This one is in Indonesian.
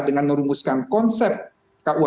dengan merumuskan konsep kuhp